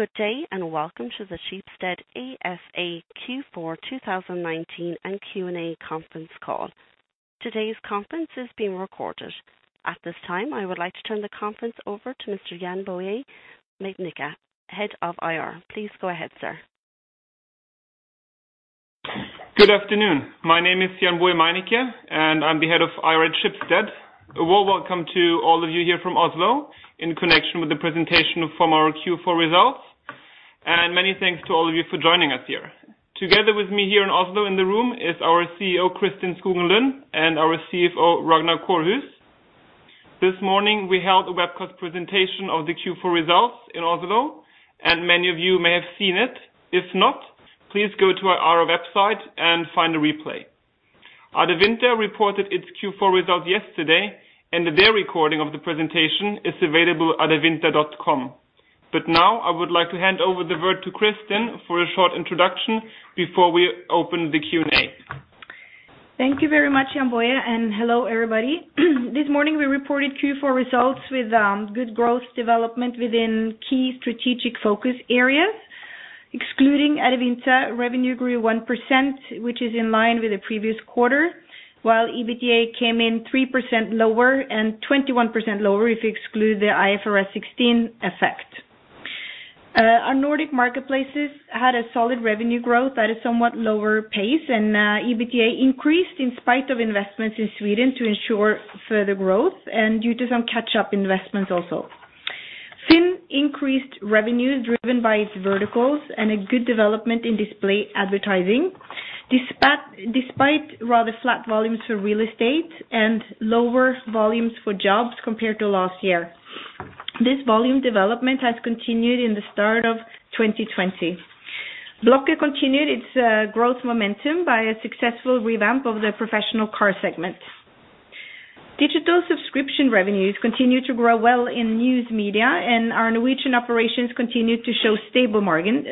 Good day, and Welcome to the Schibsted ASA Q4 2019 and Q&A Conference Call. Today's conference is being recorded. At this time, I would like to turn the conference over to Mr. Jann-Boje Meinecke, Head of IR. Please go ahead, sir. Good afternoon. My name is Jann-Boje Meinecke, and I'm the Head of IR at Schibsted. A warm welcome to all of you here from Oslo in connection with the presentation from our Q4 results. Many thanks to all of you for joining us here. Together with me here in Oslo in the room is our CEO, Kristin Skogen Lund, and our CFO, Ragnar Kårhus. This morning, we held a webcast presentation of the Q4 results in Oslo, and many of you may have seen it. If not, please go to our IR website and find the replay. Adevinta reported its Q4 results yesterday, and their recording of the presentation is available adevinta.com. Now I would like to hand over the word to Kristin for a short introduction before we open the Q&A. Thank you very much, Jann-Boje. Hello, everybody. This morning, we reported Q4 results with good growth development within key strategic focus areas. Excluding Adevinta revenue grew 1%, which is in line with the previous quarter, while EBITDA came in 3% lower and 21% lower if you exclude the IFRS 16 effect. Our Nordic marketplaces had a solid revenue growth at a somewhat lower pace. EBITDA increased in spite of investments in Sweden to ensure further growth and due to some catch-up investments also. FINN increased revenues driven by its verticals and a good development in display advertising, despite rather flat volumes for real estate and lower volumes for jobs compared to last year. This volume development has continued in the start of 2020. Blocket continued its growth momentum by a successful revamp of the professional car segment. Digital subscription revenues continued to grow well in news media, and our Norwegian operations continued to show stable margins.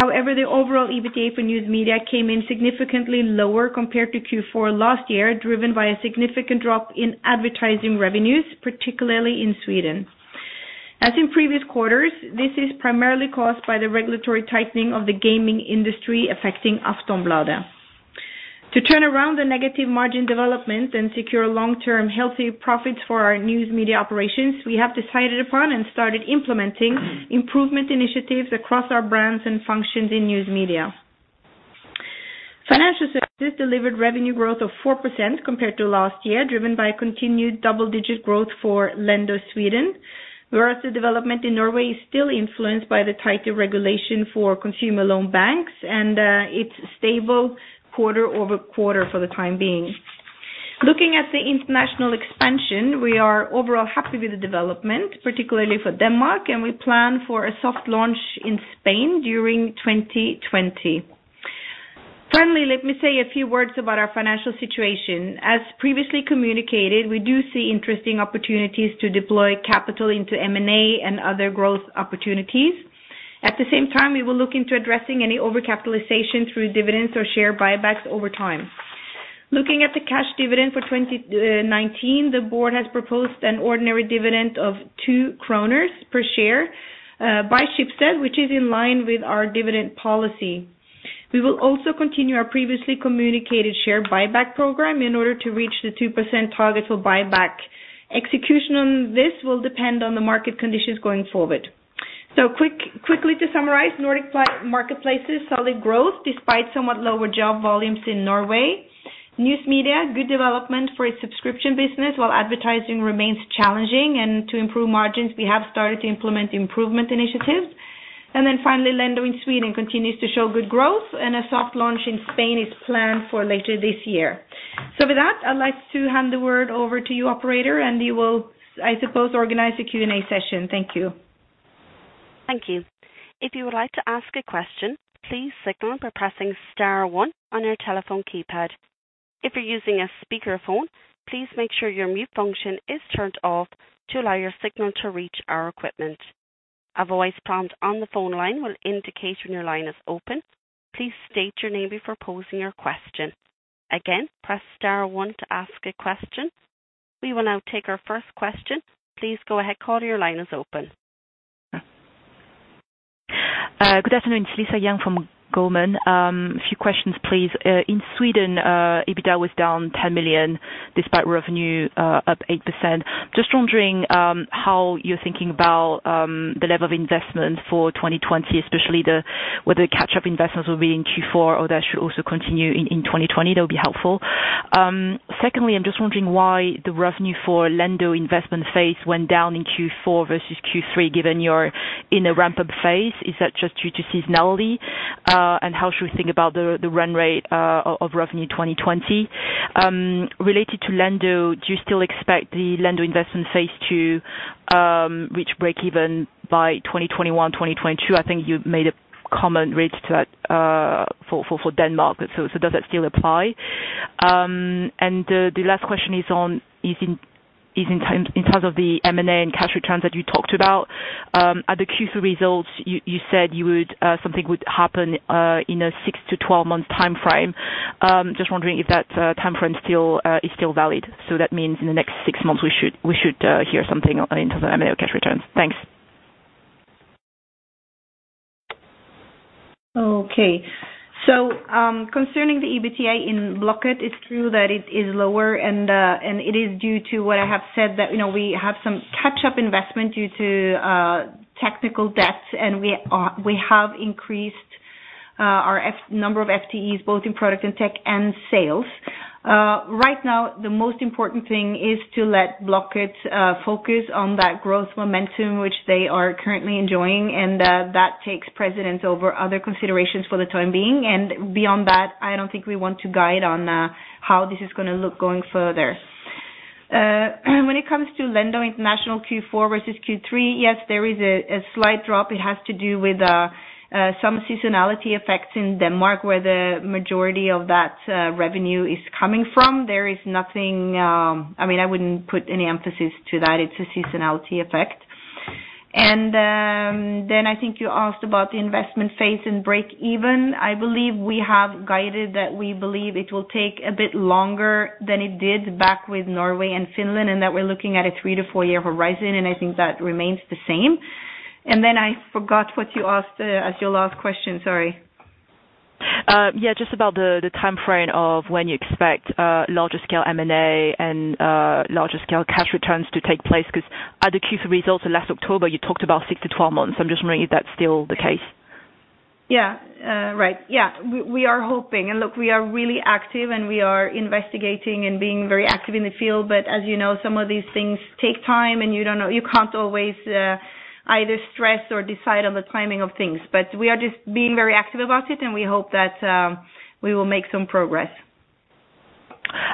However, the overall EBITDA for news media came in significantly lower compared to Q4 last year, driven by a significant drop in advertising revenues, particularly in Sweden. As in previous quarters, this is primarily caused by the regulatory tightening of the gaming industry, affecting Aftonbladet. To turn around the negative margin development and secure long-term healthy profits for our news media operations, we have decided upon and started implementing improvement initiatives across our brands and functions in news media. Financial services delivered revenue growth of 4% compared to last year, driven by continued double-digit growth for Lendo Sweden, whereas the development in Norway is still influenced by the tighter regulation for consumer loan banks and its stable quarter-over-quarter for the time being. Looking at the international expansion, we are overall happy with the development, particularly for Denmark, and we plan for a soft launch in Spain during 2020. Finally, let me say a few words about our financial situation. As previously communicated, we do see interesting opportunities to deploy capital into M&A and other growth opportunities. At the same time, we will look into addressing any overcapitalization through dividends or share buybacks over time. Looking at the cash dividend for 2019, the board has proposed an ordinary dividend of two NOK per share by Schibsted, which is in line with our dividend policy. We will also continue our previously communicated share buyback program in order to reach the 2% target for buyback. Execution on this will depend on the market conditions going forward. Quickly to summarize, Nordic marketplaces, solid growth despite somewhat lower job volumes in Norway. News media, good development for its subscription business, while advertising remains challenging and to improve margins, we have started to implement improvement initiatives. Finally, Lendo in Sweden continues to show good growth and a soft launch in Spain is planned for later this year. With that, I'd like to hand the word over to you, operator, and you will, I suppose, organize the Q&A session. Thank you. Thank you. If you would like to ask a question, please signal by pressing star one on your telephone keypad. If you're using a speakerphone, please make sure your mute function is turned off to allow your signal to reach our equipment. A voice prompt on the phone line will indicate when your line is open. Please state your name before posing your question. Again, press star one to ask a question. We will now take our first question. Please go ahead. Caller, your line is open. Good afternoon. It's Lisa Yang from Goldman. A few questions, please. In Sweden, EBITDA was down 10 million, despite revenue up 8%. Just wondering how you're thinking about the level of investment for 2020, especially whether the catch-up investments will be in Q4 or that should also continue in 2020. That would be helpful. Secondly, I'm just wondering why the revenue for Lendo investment phase went down in Q4 versus Q3, given you're in a ramp-up phase. Is that just due to seasonality? How should we think about the run rate of revenue 2020? Related to Lendo, do you still expect the Lendo investment phase to reach breakeven by 2021-2022? I think you made a comment related to that for Denmark. Does that still apply? The last question is in terms of the M&A and cash returns that you talked about. At the Q3 results, you said something would happen in a six-12 month timeframe. Just wondering if that timeframe is still valid. That means in the next six months we should hear something in terms of M&A cash returns. Thanks. Concerning the EBITDA in Blocket, it's true that it is lower and it is due to what I have said that, you know, we have some catch-up investment due to technical debts, and we have increased our number of FTEs both in product and tech and sales. Right now, the most important thing is to let Blocket focus on that growth momentum which they are currently enjoying, and that takes precedence over other considerations for the time being. Beyond that, I don't think we want to guide on how this is gonna look going further. When it comes to Lendo International Q4 versus Q3, yes, there is a slight drop. It has to do with some seasonality effects in Denmark, where the majority of that revenue is coming from. There is nothing, I mean, I wouldn't put any emphasis to that. It's a seasonality effect. Then I think you asked about the investment phase and break even. I believe we have guided that we believe it will take a bit longer than it did back with Norway and Finland, that we're looking at a three-four year horizon, and I think that remains the same. Then I forgot what you asked as your last question. Sorry. Yeah, just about the timeframe of when you expect larger scale M&A and larger scale cash returns to take place, 'cause at the Q3 results last October, you talked about six-12 months. I'm just wondering if that's still the case? Yeah. right. Yeah. We are hoping. Look, we are really active, and we are investigating and being very active in the field. As you know, some of these things take time, you can't always, either stress or decide on the timing of things. We are just being very active about it, and we hope that, we will make some progress.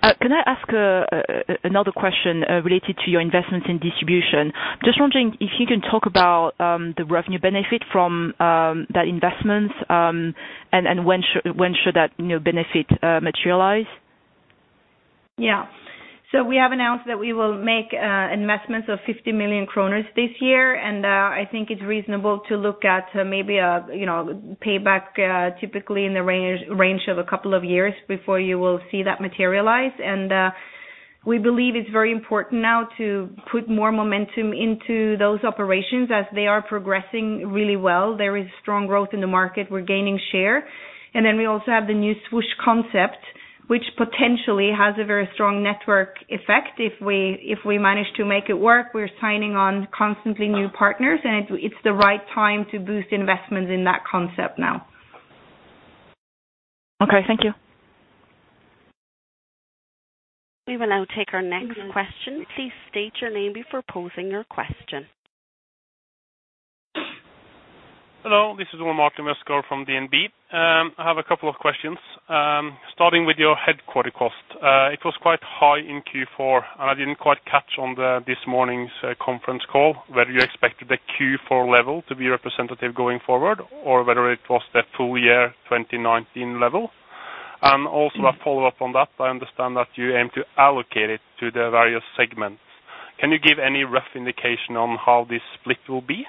Can I ask another question related to your investments in distribution? Just wondering if you can talk about the revenue benefit from the investments, and when should that, you know, benefit materialize? We have announced that we will make investments of 50 million kroner this year. I think it's reasonable to look at maybe, you know, payback, typically in the range of a couple of years before you will see that materialize. We believe it's very important now to put more momentum into those operations as they are progressing really well. There is strong growth in the market. We're gaining share. We also have the new Svosj concept, which potentially has a very strong network effect if we manage to make it work. We're signing on constantly new partners, and it's the right time to boost investments in that concept now. Okay, thank you. We will now take our next question. Please state your name before posing your question. Hello. This is Omar Sheikh from DNB. I have a couple of questions. Starting with your headquarters cost. It was quite high in Q4, and I didn't quite catch on this morning's conference call whether you expected the Q4 level to be representative going forward or whether it was the full year 2019 level. Also a follow-up on that, I understand that you aim to allocate it to the various segments. Can you give any rough indication on how this split will be?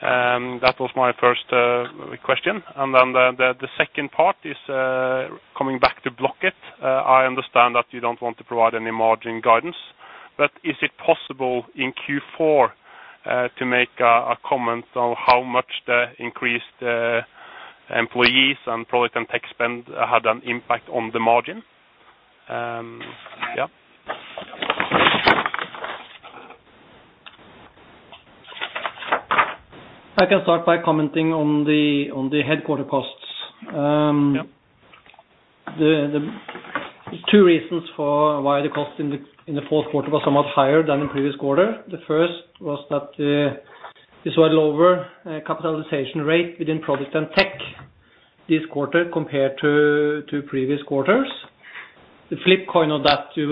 That was my first question. The second part is coming back to Blocket. I understand that you don't want to provide any margin guidance. Is it possible in Q4 to make a comment on how much the increased employees and product and tech spend had an impact on the margin? I can start by commenting on the headquarter costs. Yeah. The two reasons for why the cost in the Q4 was somewhat higher than the previous quarter. The first was that you saw a lower capitalization rate within product and tech this quarter compared to previous quarters. The flip coin of that you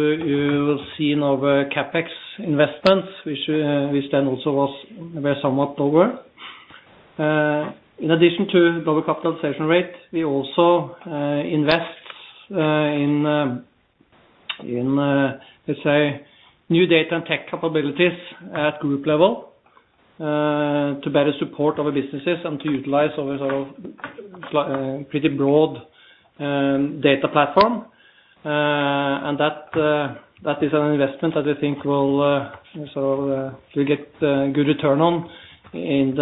will see in our CapEx investments, which then also were somewhat lower. In addition to lower capitalization rate, we also invest in let's say new data and tech capabilities at group level to better support our businesses and to utilize our sort of pretty broad data platform. And that is an investment that I think will sort of we'll get good return on in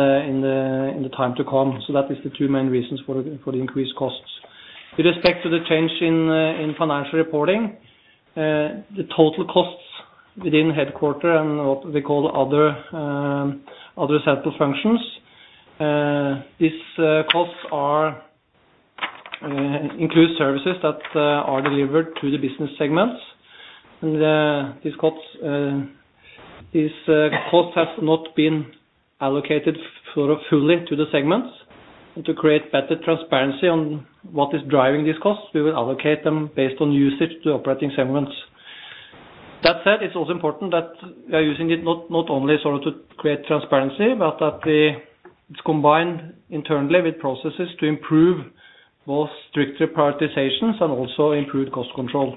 the time to come. That is the two main reasons for the increased costs. With respect to the change in financial reporting, the total costs within headquarter and what we call other central functions, these costs are include services that are delivered to the business segments. These costs have not been allocated sort of fully to the segments. To create better transparency on what is driving these costs, we will allocate them based on usage to operating segments. That said, it's also important that we are using it not only sort of to create transparency, but that it's combined internally with processes to improve more stricter prioritizations and also improved cost control.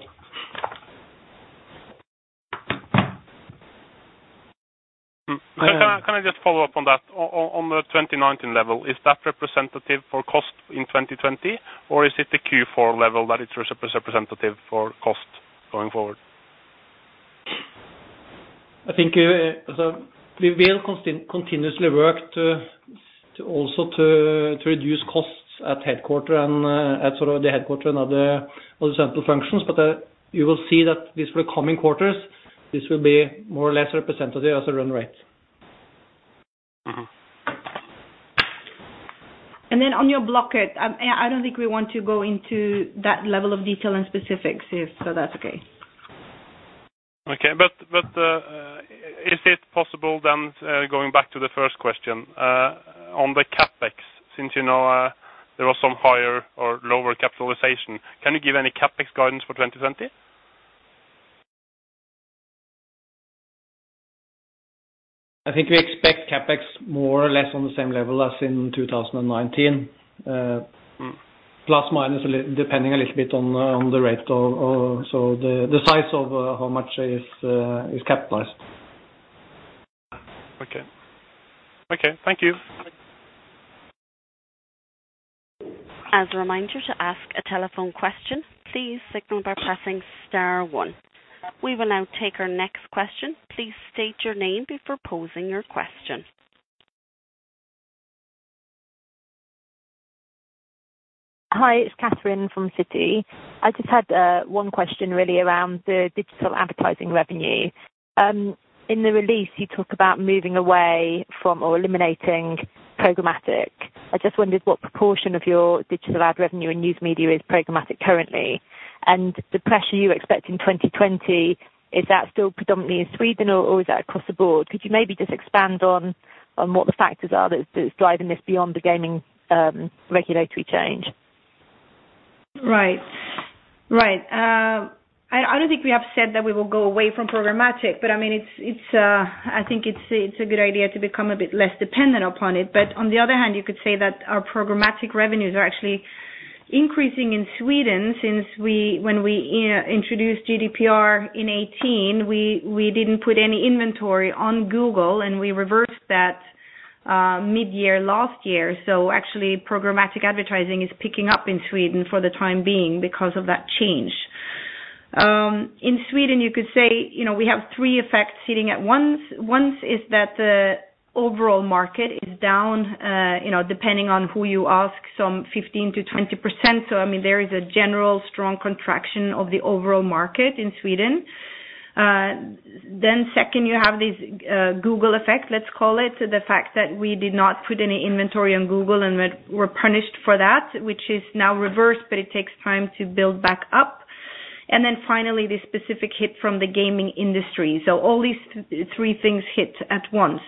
Can I just follow up on that? On the 2019 level, is that representative for cost in 2020, or is it the Q4 level that is representative for cost going forward? I think, we will continuously work to also to reduce costs at headquarter and at sort of the headquarter and other central functions. You will see that this for coming quarters, this will be more or less representative of the run rate. Mm-hmm. On your Blocket, I don't think we want to go into that level of detail and specifics, so that's okay. Okay. Is it possible then, going back to the first question, on the CapEx, since you know, there was some higher or lower capitalization, can you give any CapEx guidance for 2020? I think we expect CapEx more or less on the same level as in 2019, plus minus depending a little bit on the rate of... So the size of how much is capitalized. Okay. Okay. Thank you. As a reminder to ask a telephone question, please signal by pressing star one. We will now take our next question. Please state your name before posing your question. Hi, it's Catherine from Citi. I just had one question really around the digital advertising revenue. In the release you talk about moving away from or eliminating programmatic. I just wondered what proportion of your digital ad revenue and news media is programmatic currently? The pressure you expect in 2020, is that still predominantly in Sweden or is that across the board? Could you maybe just expand on what the factors are that's driving this beyond the gaming regulatory change? Right. Right. I don't think we have said that we will go away from programmatic, I mean, it's I think it's a good idea to become a bit less dependent upon it. On the other hand, you could say that our programmatic revenues are actually increasing in Sweden since when we, you know, introduced GDPR in 2018, we didn't put any inventory on Google, and we reversed that mid-year last year. Actually programmatic advertising is picking up in Sweden for the time being because of that change. In Sweden, you could say, you know, we have three effects hitting at once. One is that the overall market is down, you know, depending on who you ask, some 15%-20%. I mean, there is a general strong contraction of the overall market in Sweden. Second, you have this Google effect, let's call it, the fact that we did not put any inventory on Google and we're punished for that, which is now reversed, but it takes time to build back up. Finally, the specific hit from the gaming industry. All these three things hit at once.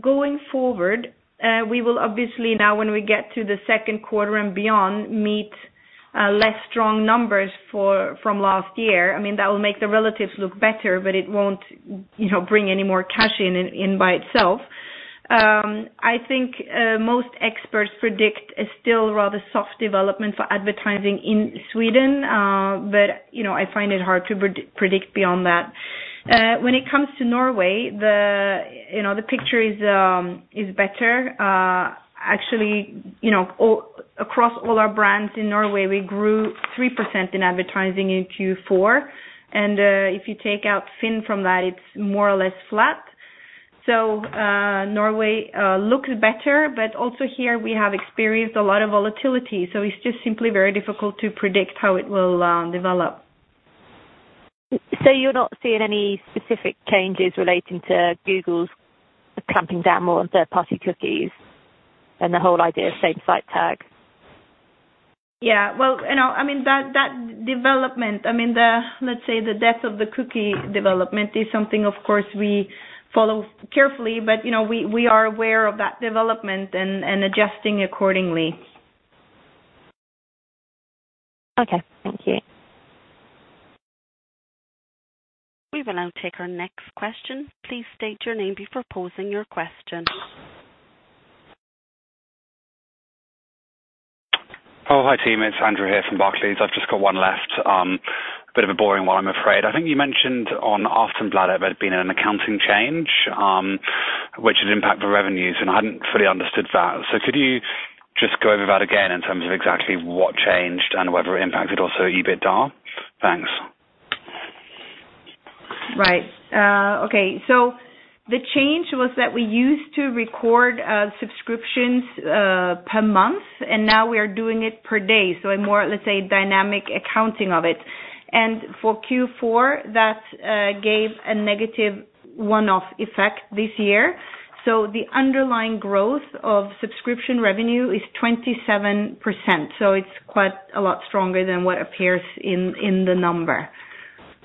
Going forward, we will obviously now when we get to the Q2 and beyond, meet less strong numbers from last year. I mean, that will make the relatives look better, but it won't, you know, bring any more cash in by itself. I think most experts predict a still rather soft development for advertising in Sweden, you know, I find it hard to predict beyond that. When it comes to Norway, you know, the picture is better. Actually, you know, across all our brands in Norway, we grew 3% in advertising in Q4. If you take out FINN from that, it's more or less flat. Norway looks better, but also here we have experienced a lot of volatility, so it's just simply very difficult to predict how it will develop. You're not seeing any specific changes relating to Google's clamping down more on third-party cookies and the whole idea of same site tags? Yeah. Well, you know, I mean, that development, I mean the, let's say, the death of the cookie development is something of course we follow carefully, but, you know, we are aware of that development and adjusting accordingly. Okay. Thank you. We will now take our next question. Please state your name before posing your question. Hi team, it's Andrew here from Barclays. I've just got one left. A bit of a boring one, I'm afraid. I think you mentioned on Aftenbladet there'd been an accounting change, which had impacted revenues, and I hadn't fully understood that. Could you just go over that again in terms of exactly what changed and whether it impacted also EBITDA? Thanks. Right. Okay. The change was that we used to record subscriptions per month, and now we are doing it per day. A more, let's say, dynamic accounting of it. For Q4, that gave a negative one-off effect this year. The underlying growth of subscription revenue is 27%, so it's quite a lot stronger than what appears in the number.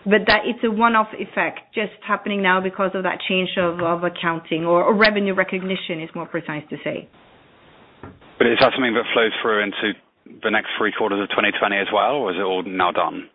That it's a one-off effect just happening now because of that change of accounting or revenue recognition is more precise to say. Is that something that flows through into the next three quarters of 2020 as well, or is it all now done?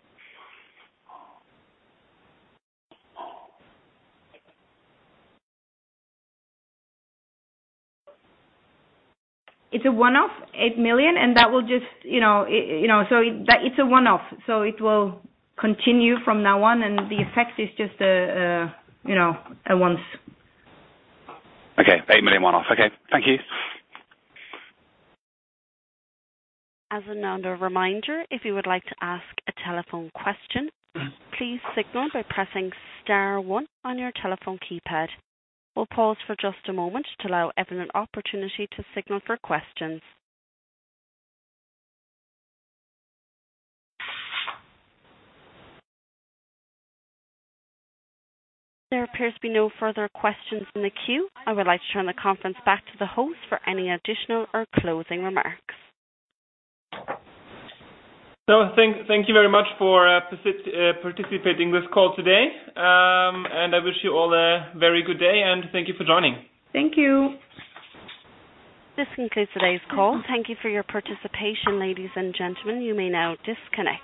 It's a one-off, 8 million. That will just, you know. You know, that it's a one-off, it will continue from now on and the effect is just a, you know, a once. Okay. 8 million one-off. Okay. Thank you. As another reminder, if you would like to ask a telephone question, please signal by pressing star one on your telephone keypad. We'll pause for just a moment to allow everyone opportunity to signal for questions. There appears to be no further questions in the queue. I would like to turn the conference back to the host for any additional or closing remarks. Thank you very much for participating in this call today. I wish you all a very good day, and thank you for joining. Thank you. This concludes today's call. Thank You for your participation, ladies and gentlemen. You may now disconnect.